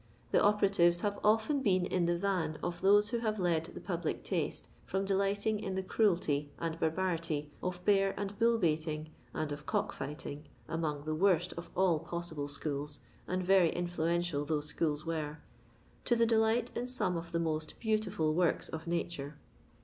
The opera tives have often been in the van of those who have led the public taste from delighting in the cruelty and barbarity of bear and bull baiting and of cock fighting — among the worst of all possible schools, and very influential those schools wore — to the delight in some of the most beautiful works of nature.